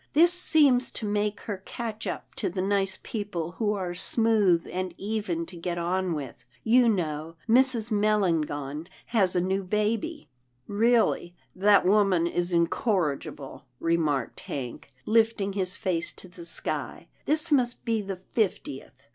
This seems to make her catch up to the nice people who are smooth and even to get on with — You know Mrs. Melangon has a new baby —"" Really that woman is incorrigible," remarked Hank, lifting his face to the sky, " this must be the fiftieth."